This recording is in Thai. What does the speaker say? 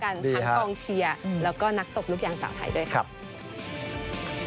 ครับดีครับทั้งกองเชียร์แล้วก็นักตกลูกยางสาวไทยด้วยครับครับ